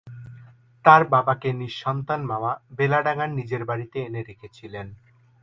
তার বাবাকে নিঃসন্তান মামা বেলডাঙায় নিজের বাড়িতে এনে রেখেছিলেন।